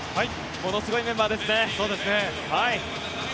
ものすごいメンバーですね。